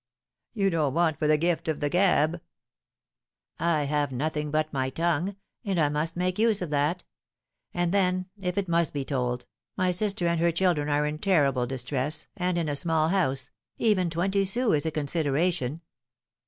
"You don't want for the gift of the gab!" "I have nothing but my tongue, and I must make use of that. And then, if it must be told, my sister and her children are in terrible distress, and, in a small house, even twenty sous is a consideration."